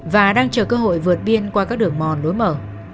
và đang chờ cơ hội vượt biên qua các đường mòn lối mở